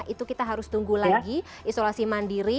itu kita harus tunggu lagi isolasi mandiri